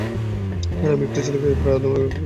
আর আমি একটা ছেলেকে প্রায় আধমরা করে ফেলছিলাম।